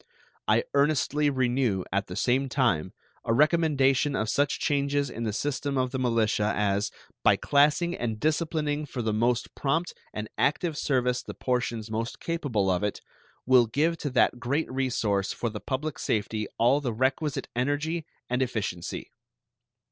I earnestly renew, at the same time, a recommendation of such changes in the system of the militia as, by classing and disciplining for the most prompt and active service the portions most capable of it, will give to that great resource for the public safety all the requisite energy and efficiency.